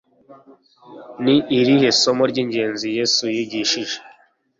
ni irihe somo ry ingenzi yesu yigishije